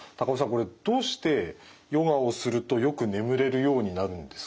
これどうしてヨガをするとよく眠れるようになるんですか？